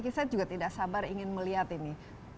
saya juga tidak sabar ingin melihat ini